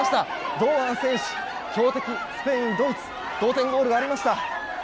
堂安選手、強敵スぺイン、ドイツ同点ゴールがありました。